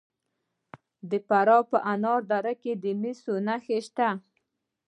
د فراه په انار دره کې د مسو نښې شته.